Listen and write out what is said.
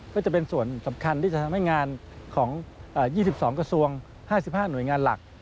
ก็จะเป็นส่วนสำคัญที่จะทำให้งานของ๒๒กระทรวง๕๕หน่วยงานหลัก